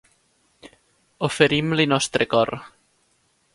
oferim-li nostre cor